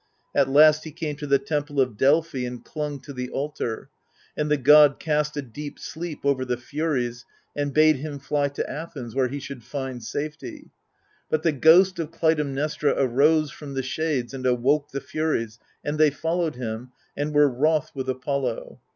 At last he came to the temple of Delphi, and clung to the altar : and the God cast a deep sleep over the Furies, and bade him fly to Athens, where he should find safety. But the ghost of Clytemnestra arose from the shades and awoke the Furies, and they followed him, and were wroth with Apollo.